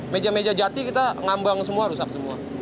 meja meja jati kita ngambang semua rusak semua